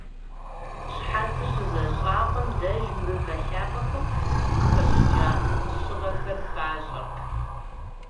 Щхьэцыр щызэщӀакъуэм деж мывэ лъапӀэхэм къыхэщӀыкӀа щыгъэхэр хащӀэрт.